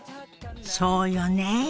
そうよね。